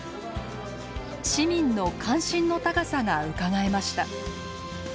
市民の関心の高さがうかがえました。